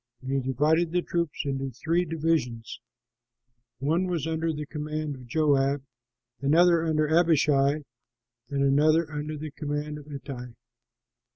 And he divided the troops into three divisions; one was under the command of Joab, another under Abishai, and another under the command of Ittai.